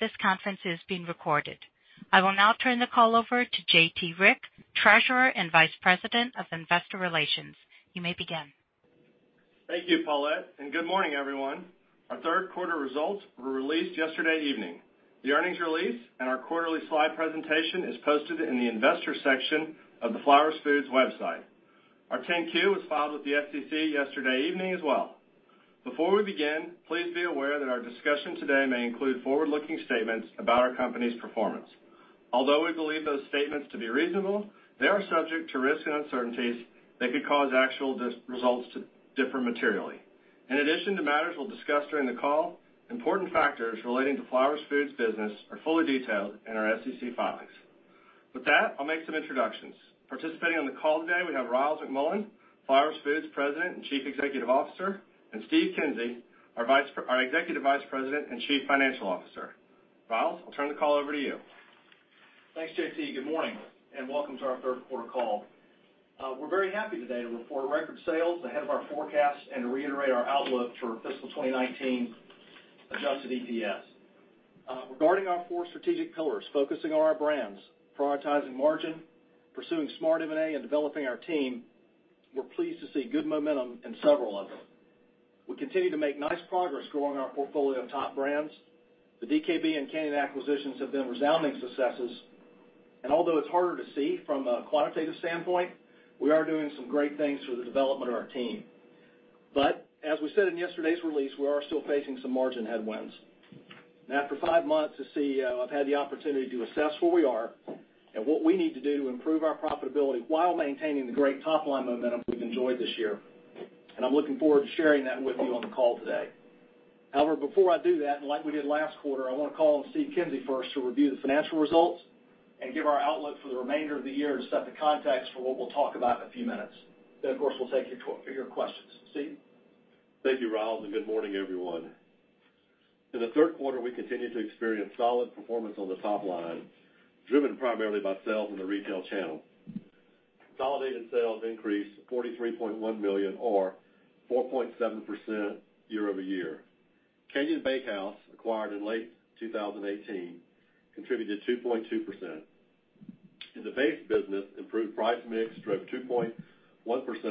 This conference is being recorded. I will now turn the call over to J.T. Rieck, Treasurer and Vice President of Investor Relations. You may begin. Thank you, Paulette. Good morning, everyone. Our third quarter results were released yesterday evening. The earnings release and our quarterly slide presentation is posted in the investors section of the Flowers Foods website. Our 10-Q was filed with the SEC yesterday evening as well. Before we begin, please be aware that our discussion today may include forward-looking statements about our company's performance. Although we believe those statements to be reasonable, they are subject to risks and uncertainties that could cause actual results to differ materially. In addition to matters we'll discuss during the call, important factors relating to Flowers Foods business are fully detailed in our SEC filings. With that, I'll make some introductions. Participating on the call today, we have Ryals McMullian, Flowers Foods President and Chief Executive Officer, and Steve Kinsey, our Executive Vice President and Chief Financial Officer. Ryals, I'll turn the call over to you. Thanks, J.T. Good morning and welcome to our third quarter call. We're very happy today to report record sales ahead of our forecast and to reiterate our outlook for fiscal 2019 adjusted EPS. Regarding our four strategic pillars, focusing on our brands, prioritizing margin, pursuing smart M&A, and developing our team, we're pleased to see good momentum in several of them. The DKB and Canyon acquisitions have been resounding successes, and although it's harder to see from a quantitative standpoint, we are doing some great things for the development of our team. As we said in yesterday's release, we are still facing some margin headwinds. After five months as CEO, I've had the opportunity to assess where we are and what we need to do to improve our profitability while maintaining the great top-line momentum we've enjoyed this year. I'm looking forward to sharing that with you on the call today. However, before I do that, and like we did last quarter, I want to call on Steve Kinsey first to review the financial results and give our outlook for the remainder of the year to set the context for what we'll talk about in a few minutes. Of course, we'll take your questions. Steve? Thank you, Ryals, and good morning, everyone. In the third quarter, we continued to experience solid performance on the top line, driven primarily by sales in the retail channel. Consolidated sales increased to $43.1 million, or 4.7% year-over-year. Canyon Bakehouse, acquired in late 2018, contributed 2.2%. In the base business, improved price mix drove 2.1%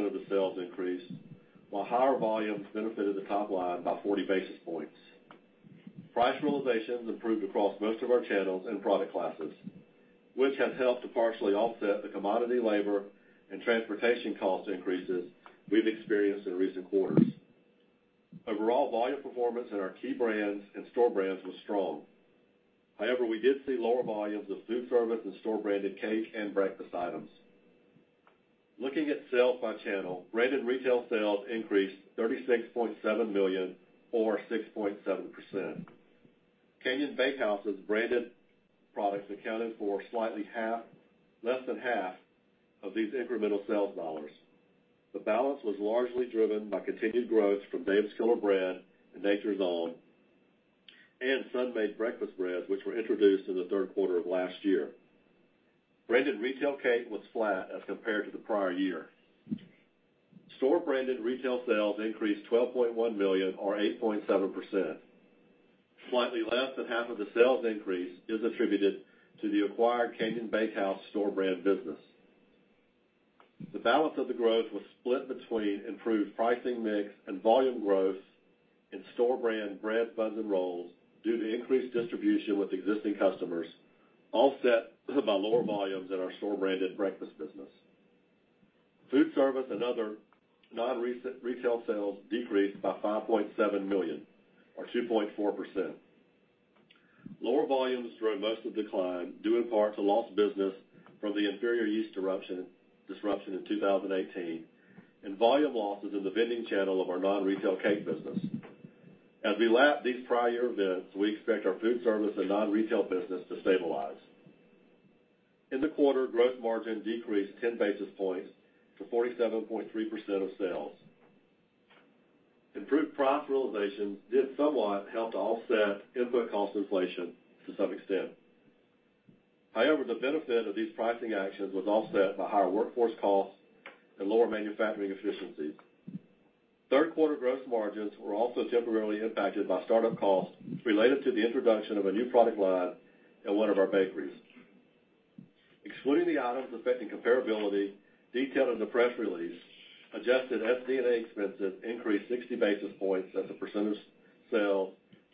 of the sales increase, while higher volumes benefited the top line by 40 basis points. Price realizations improved across most of our channels and product classes, which has helped to partially offset the commodity labor and transportation cost increases we've experienced in recent quarters. Overall volume performance in our key brands and store brands was strong. However, we did see lower volumes of food service and store-branded cake and breakfast items. Looking at sales by channel, branded retail sales increased $36.7 million, or 6.7%. Canyon Bakehouse's branded products accounted for slightly less than half of these incremental sales dollars. The balance was largely driven by continued growth from Dave's Killer Bread and Nature's Own, and Sun-Maid breakfast breads, which were introduced in the third quarter of last year. Branded retail cake was flat as compared to the prior year. Store-branded retail sales increased $12.1 million or 8.7%. Slightly less than half of the sales increase is attributed to the acquired Canyon Bakehouse store brand business. The balance of the growth was split between improved pricing mix and volume growth in store brand bread, buns, and rolls due to increased distribution with existing customers, offset by lower volumes in our store-branded breakfast business. Food service and other non-recent retail sales decreased by $5.7 million or 2.4%. Lower volumes drove most of decline due in part to lost business from the inferior yeast disruption in 2018 and volume losses in the vending channel of our non-retail cake business. As we lap these prior events, we expect our food service and non-retail business to stabilize. In the quarter, gross margin decreased 10 basis points to 47.3% of sales. Improved price realizations did somewhat help to offset input cost inflation to some extent. However, the benefit of these pricing actions was offset by higher workforce costs and lower manufacturing efficiencies. Third quarter gross margins were also temporarily impacted by start-up costs related to the introduction of a new product line in one of our bakeries. Excluding the items affecting comparability, detailed in the press release, adjusted SD&A expenses increased 60 basis points as a percentage of sales,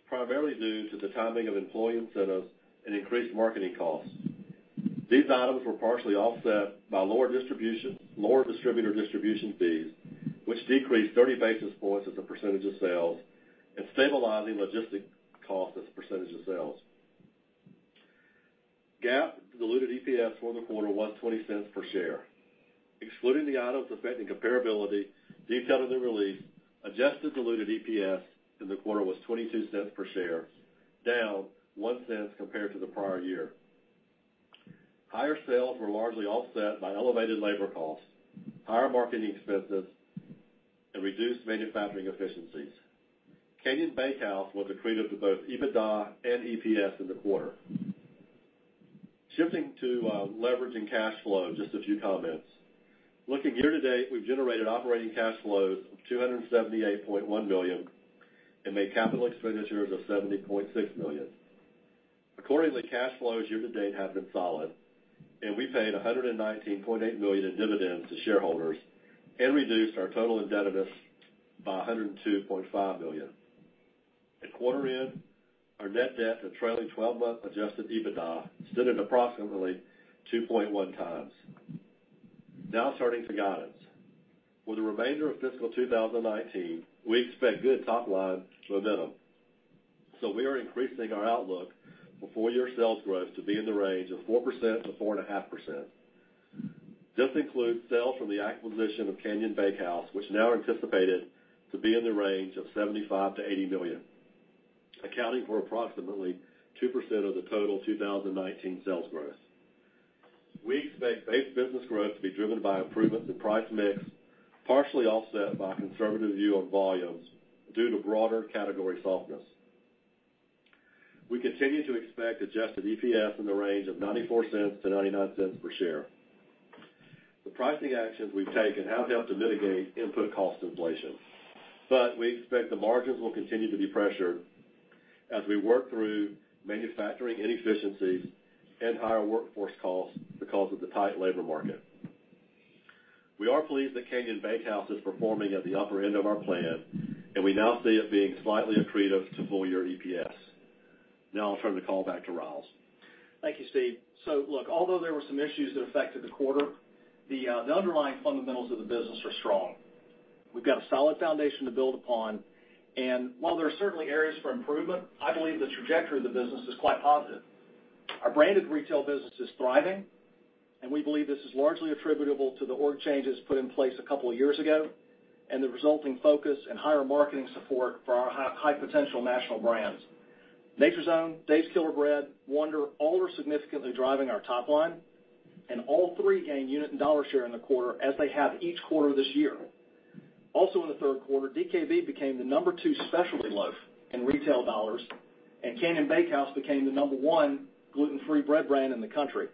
primarily due to the timing of employee incentives and increased marketing costs. These items were partially offset by lower distributor distribution fees, which decreased 30 basis points as a percentage of sales and stabilizing logistic costs as a percentage of sales. GAAP diluted EPS for the quarter was $0.20 per share. Excluding the items affecting comparability, detailed in the release, adjusted diluted EPS in the quarter was $0.22 per share, down $0.01 compared to the prior year. Higher sales were largely offset by elevated labor costs, higher marketing expenses, and reduced manufacturing efficiencies. Canyon Bakehouse was accretive to both EBITDA and EPS in the quarter. Shifting to leverage and cash flow, just a few comments. Looking year-to-date, we've generated operating cash flows of $278.1 million and made capital expenditures of $70.6 million. Accordingly, cash flows year-to-date have been solid, and we paid $119.8 million in dividends to shareholders and reduced our total indebtedness by $102.5 million. At quarter end, our net debt and trailing 12-month adjusted EBITDA stood at approximately 2.1 times. Turning to guidance. For the remainder of fiscal 2019, we expect good top-line momentum. We are increasing our outlook for full-year sales growth to be in the range of 4%-4.5%. This includes sales from the acquisition of Canyon Bakehouse, which now anticipated to be in the range of $75 million-$80 million, accounting for approximately 2% of the total 2019 sales growth. We expect base business growth to be driven by improvements in price mix, partially offset by a conservative view on volumes due to broader category softness. We continue to expect adjusted EPS in the range of $0.94-$0.99 per share. The pricing actions we've taken have helped to mitigate input cost inflation, but we expect the margins will continue to be pressured as we work through manufacturing inefficiencies and higher workforce costs because of the tight labor market. We are pleased that Canyon Bakehouse is performing at the upper end of our plan, and we now see it being slightly accretive to full-year EPS. Now I'll turn the call back to Ryals. Thank you, Steve. Look, although there were some issues that affected the quarter, the underlying fundamentals of the business are strong. We've got a solid foundation to build upon, and while there are certainly areas for improvement, I believe the trajectory of the business is quite positive. Our branded retail business is thriving, and we believe this is largely attributable to the org changes put in place a couple of years ago and the resulting focus and higher marketing support for our high-potential national brands. Nature's Own, Dave's Killer Bread, Wonder, all are significantly driving our top line, and all three gained unit and dollar share in the quarter as they have each quarter this year. In the third quarter, DKB became the number two specialty loaf in retail dollars. Canyon Bakehouse became the number one gluten-free bread brand in the country,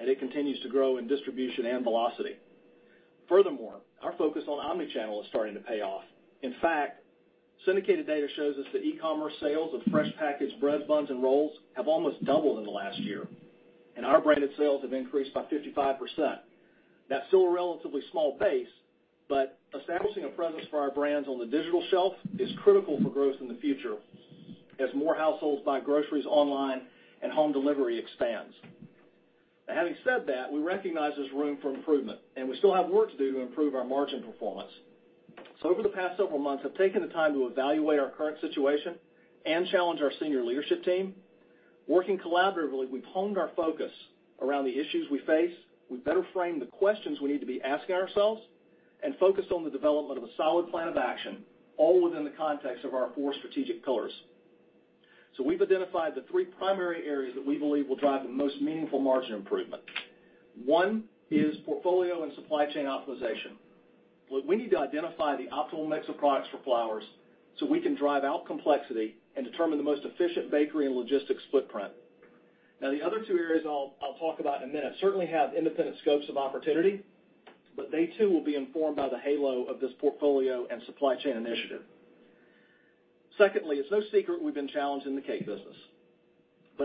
and it continues to grow in distribution and velocity. Furthermore, our focus on omni-channel is starting to pay off. In fact, syndicated data shows us that e-commerce sales of fresh packaged breads, buns, and rolls have almost doubled in the last year. Our branded sales have increased by 55%. That's still a relatively small base. Establishing a presence for our brands on the digital shelf is critical for growth in the future as more households buy groceries online and home delivery expands. Now, having said that, we recognize there's room for improvement. We still have work to do to improve our margin performance. Over the past several months, I've taken the time to evaluate our current situation and challenge our senior leadership team. Working collaboratively, we've honed our focus around the issues we face. We've better framed the questions we need to be asking ourselves and focused on the development of a solid plan of action, all within the context of our four strategic pillars. We've identified the three primary areas that we believe will drive the most meaningful margin improvement. One is portfolio and supply chain optimization. Look, we need to identify the optimal mix of products for Flowers so we can drive out complexity and determine the most efficient bakery and logistics footprint. Now, the other two areas I'll talk about in a minute certainly have independent scopes of opportunity, but they too will be informed by the halo of this portfolio and supply chain initiative. It's no secret we've been challenged in the cake business.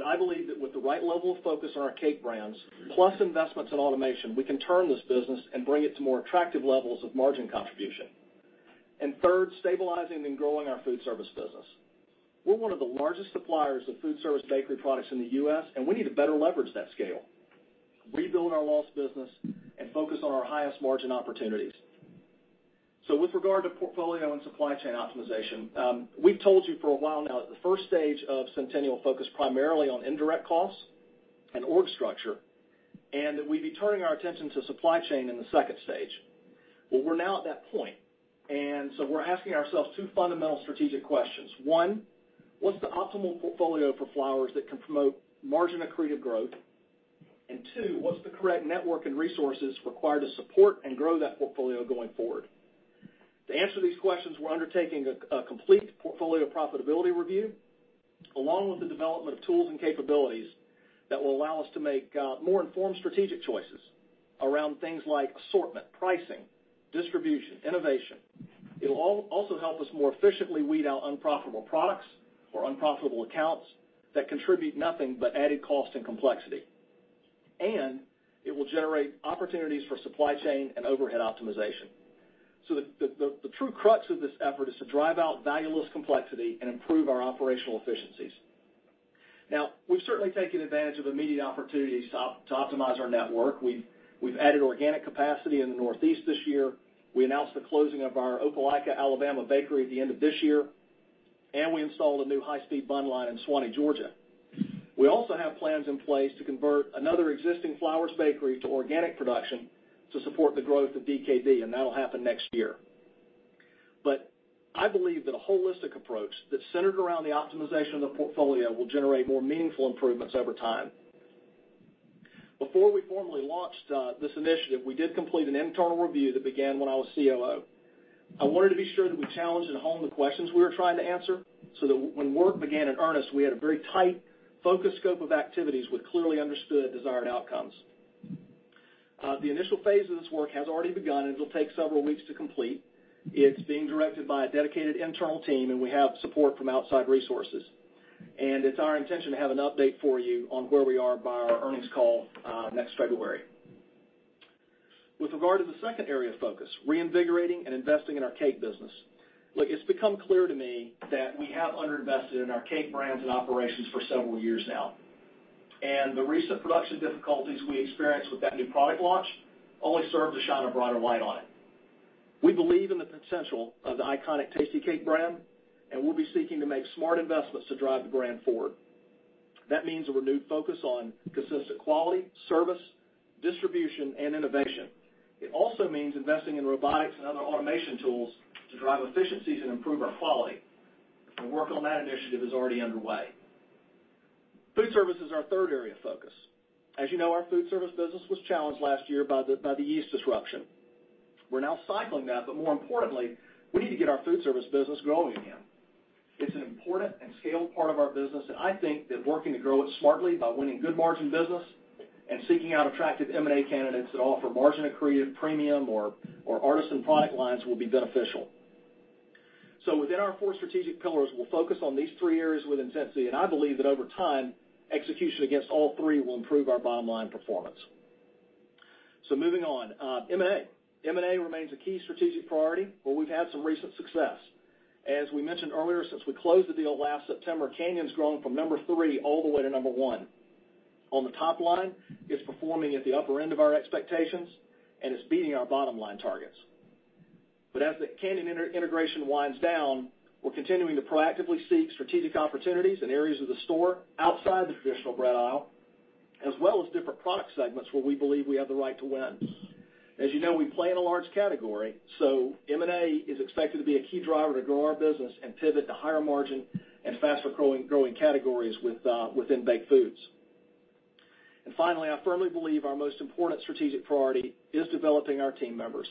I believe that with the right level of focus on our cake brands, plus investments in automation, we can turn this business and bring it to more attractive levels of margin contribution. Third, stabilizing and growing our food service business. We're one of the largest suppliers of food service bakery products in the U.S., and we need to better leverage that scale, rebuild our lost business, and focus on our highest margin opportunities. With regard to portfolio and supply chain optimization, we've told you for a while now that the first stage of Centennial focused primarily on indirect costs and org structure, and that we'd be turning our attention to supply chain in the second stage. Well, we're now at that point, we're asking ourselves two fundamental strategic questions. One, what's the optimal portfolio for Flowers that can promote margin accretive growth? Two, what's the correct network and resources required to support and grow that portfolio going forward? To answer these questions, we're undertaking a complete portfolio profitability review, along with the development of tools and capabilities that will allow us to make more informed strategic choices around things like assortment, pricing, distribution, innovation. It'll also help us more efficiently weed out unprofitable products or unprofitable accounts that contribute nothing but added cost and complexity. It will generate opportunities for supply chain and overhead optimization. The true crux of this effort is to drive out valueless complexity and improve our operational efficiencies. Now, we've certainly taken advantage of immediate opportunities to optimize our network. We've added organic capacity in the Northeast this year. We announced the closing of our Opelika, Alabama bakery at the end of this year, and we installed a new high-speed bun line in Suwanee, Georgia. We also have plans in place to convert another existing Flowers bakery to organic production to support the growth of DKB, and that'll happen next year. I believe that a holistic approach that's centered around the optimization of the portfolio will generate more meaningful improvements over time. Before we formally launched this initiative, we did complete an internal review that began when I was COO. I wanted to be sure that we challenged and honed the questions we were trying to answer, so that when work began in earnest, we had a very tight focus scope of activities with clearly understood desired outcomes. The initial phase of this work has already begun, and it'll take several weeks to complete. It's being directed by a dedicated internal team, and we have support from outside resources. It's our intention to have an update for you on where we are by our earnings call next February. With regard to the second area of focus, reinvigorating and investing in our cake business. Look, it's become clear to me that we have under-invested in our cake brands and operations for several years now. The recent production difficulties we experienced with that new product launch only served to shine a brighter light on it. We believe in the potential of the iconic Tastykake brand, and we'll be seeking to make smart investments to drive the brand forward. That means a renewed focus on consistent quality, service, distribution, and innovation. It also means investing in robotics and other automation tools to drive efficiencies and improve our quality. Work on that initiative is already underway. Food service is our third area of focus. As you know, our food service business was challenged last year by the yeast disruption. We're now cycling that, but more importantly, we need to get our food service business growing again. It's an important and scaled part of our business, and I think that working to grow it smartly by winning good margin business and seeking out attractive M&A candidates that offer margin-accretive premium or artisan product lines will be beneficial. Within our four strategic pillars, we'll focus on these three areas with intensity, and I believe that over time, execution against all three will improve our bottom line performance. Moving on. M&A. M&A remains a key strategic priority, where we've had some recent success. As we mentioned earlier, since we closed the deal last September, Canyon's grown from number 3 all the way to number 1. On the top line, it's performing at the upper end of our expectations, and it's beating our bottom-line targets. As the Canyon integration winds down, we're continuing to proactively seek strategic opportunities in areas of the store outside the traditional bread aisle, as well as different product segments where we believe we have the right to win. As you know, we play in a large category, M&A is expected to be a key driver to grow our business and pivot to higher margin and faster-growing categories within baked foods. Finally, I firmly believe our most important strategic priority is developing our team members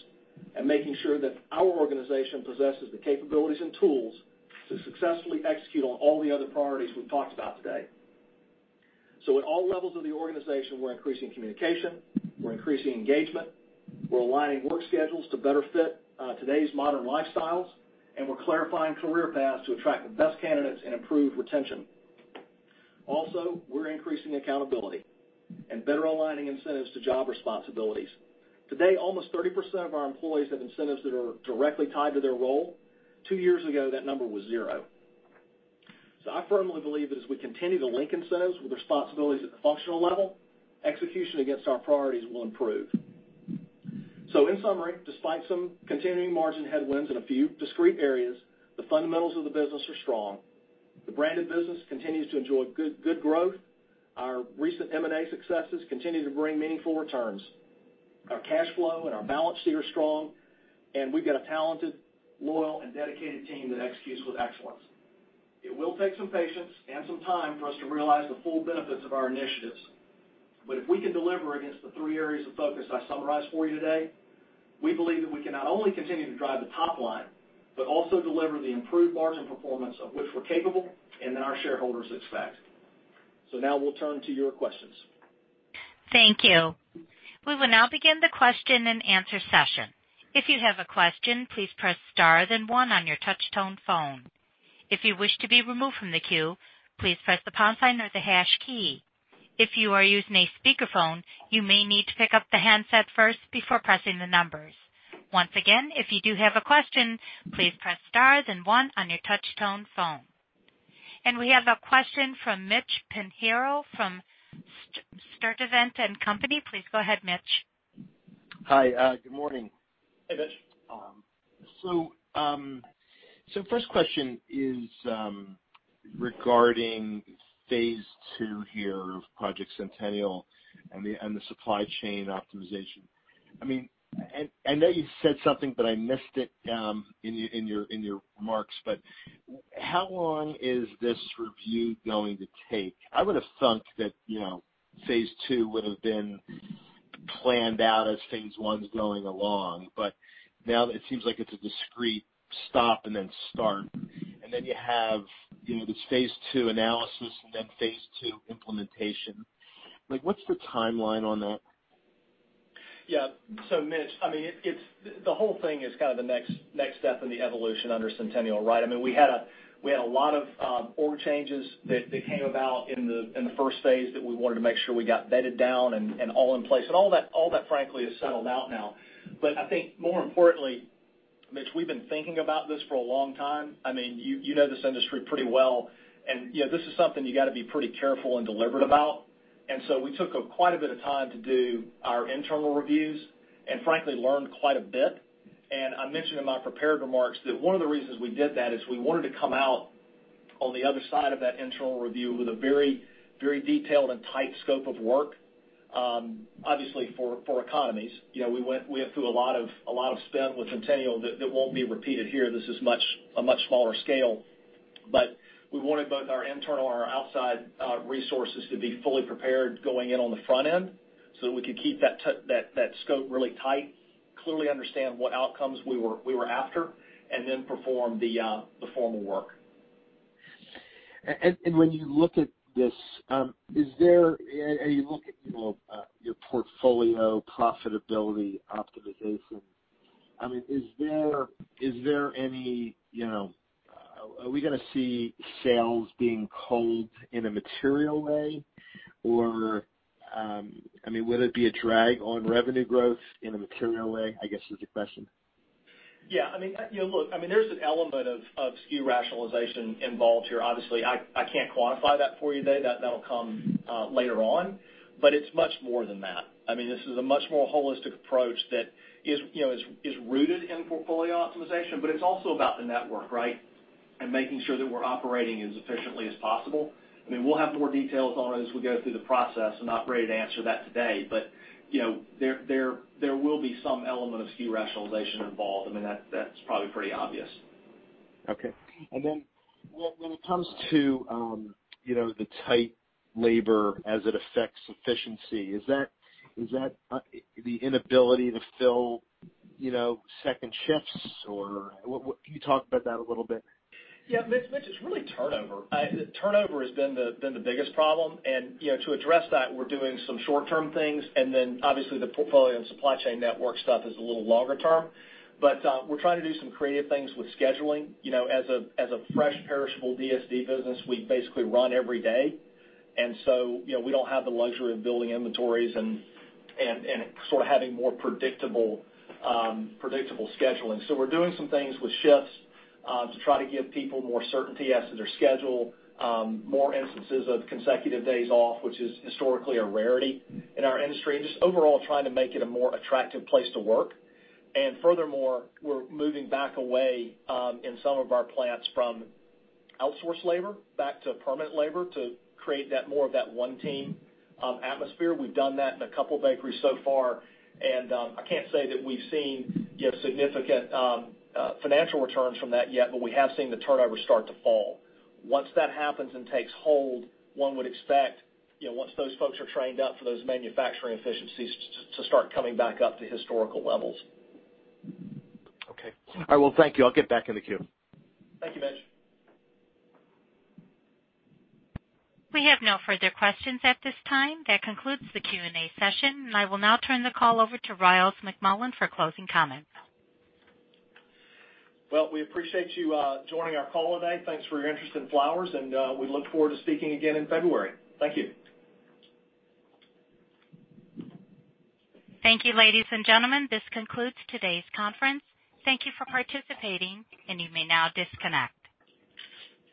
and making sure that our organization possesses the capabilities and tools to successfully execute on all the other priorities we've talked about today. At all levels of the organization, we're increasing communication, we're increasing engagement, we're aligning work schedules to better fit today's modern lifestyles, and we're clarifying career paths to attract the best candidates and improve retention. Also, we're increasing accountability and better aligning incentives to job responsibilities. Today, almost 30% of our employees have incentives that are directly tied to their role. Two years ago, that number was zero. I firmly believe that as we continue to link incentives with responsibilities at the functional level, execution against our priorities will improve. In summary, despite some continuing margin headwinds in a few discrete areas, the fundamentals of the business are strong. The branded business continues to enjoy good growth. Our recent M&A successes continue to bring meaningful returns. Our cash flow and our balance sheet are strong, we've got a talented, loyal, and dedicated team that executes with excellence. It will take some patience and some time for us to realize the full benefits of our initiatives. If we can deliver against the three areas of focus I summarized for you today, we believe that we can not only continue to drive the top line, but also deliver the improved margin performance of which we're capable and that our shareholders expect. Now we'll turn to your questions. Thank you. We will now begin the question and answer session. If you have a question, please press star then one on your touch tone phone. If you wish to be removed from the queue, please press the pound sign or the hash key. If you are using a speakerphone, you may need to pick up the handset first before pressing the numbers. Once again, if you do have a question, please press star then one on your touch tone phone. We have a question from Mitch Pinheiro from Stifel, Nicolaus & Company. Please go ahead, Mitch. Hi, good morning. Hey, Mitch. First question is regarding phase 2 here of Project Centennial and the supply chain optimization. I know you said something, but I missed it in your remarks, how long is this review going to take? I would have thunk that phase 2 would have been planned out as phase 1's going along, now it seems like it's a discrete stop and then start. Then you have this phase 2 analysis and then phase 2 implementation. What's the timeline on that? Mitch, the whole thing is kind of the next step in the evolution under Centennial, right? We had a lot of org changes that came about in the first phase that we wanted to make sure we got bedded down and all in place. All that, frankly, is settled out now. I think more importantly, Mitch Pinheiro, we've been thinking about this for a long time. You know this industry pretty well, and this is something you got to be pretty careful and deliberate about. We took quite a bit of time to do our internal reviews and frankly learned quite a bit. I mentioned in my prepared remarks that one of the reasons we did that is we wanted to come out on the other side of that internal review with a very detailed and tight scope of work, obviously, for economies. We went through a lot of spend with Centennial that won't be repeated here. This is a much smaller scale. We wanted both our internal and our outside resources to be fully prepared going in on the front end so that we could keep that scope really tight, clearly understand what outcomes we were after, and then perform the formal work. When you look at this, and you look at your portfolio profitability optimization, are we going to see sales being culled in a material way? Will it be a drag on revenue growth in a material way, I guess is the question. Yeah. There's an element of SKU rationalization involved here. Obviously, I can't quantify that for you today. That'll come later on. It's much more than that. This is a much more holistic approach that is rooted in portfolio optimization, but it's also about the network, right? Making sure that we're operating as efficiently as possible. We'll have more details on it as we go through the process. I'm not ready to answer that today. There will be some element of SKU rationalization involved. That's probably pretty obvious. Okay. When it comes to the tight labor as it affects efficiency, is that the inability to fill second shifts? Can you talk about that a little bit? Yeah, Mitch, it's really turnover. Turnover has been the biggest problem. To address that, we're doing some short-term things, and then obviously the portfolio and supply chain network stuff is a little longer term. We're trying to do some creative things with scheduling. As a fresh perishable DSD business, we basically run every day. We don't have the luxury of building inventories and sort of having more predictable scheduling. We're doing some things with shifts to try to give people more certainty as to their schedule, more instances of consecutive days off, which is historically a rarity in our industry, and just overall trying to make it a more attractive place to work. Furthermore, we're moving back away in some of our plants from outsourced labor back to permanent labor to create more of that one team atmosphere. We've done that in a couple bakeries so far, and I can't say that we've seen significant financial returns from that yet, but we have seen the turnover start to fall. Once that happens and takes hold, one would expect, once those folks are trained up for those manufacturing efficiencies, to start coming back up to historical levels. Okay. All right. Well, thank you. I'll get back in the queue. Thank you, Mitch. We have no further questions at this time. That concludes the Q&A session. I will now turn the call over to Ryals McMullian for closing comments. Well, we appreciate you joining our call today. Thanks for your interest in Flowers, and we look forward to speaking again in February. Thank you. Thank you, ladies and gentlemen. This concludes today's conference. Thank you for participating, and you may now disconnect.